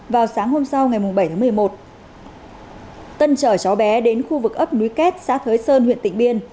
vào sáng hôm sau ngày bảy tháng một mươi một tân chở cháu bé đến khu vực ấp núi kết xã thới sơn huyện tịnh biên